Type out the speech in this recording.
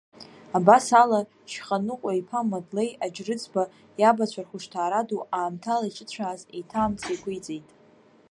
Абасала, Шьханыҟәа-иԥа Мадлеи Аџьрыцба, иабацәа рхәышҭаара ду аамҭала иҿыцәааз, еиҭа амца еиқәиҵеит.